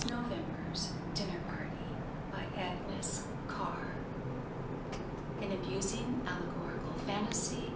NOVEMBER'S DINNER PARTY BY AGNES CARR. An amusing allegorical fantasy.